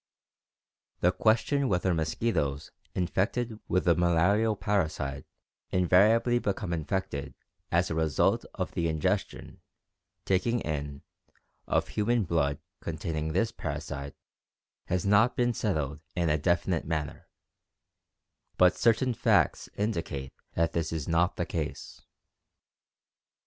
The question whether mosquitoes infected with the malarial parasite invariably become infected as a result of the ingestion [taking in] of human blood containing this parasite has not been settled in a definite manner, but certain facts indicate that this is not the case.